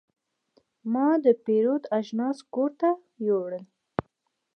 ما د پیرود اجناس کور ته یوړل.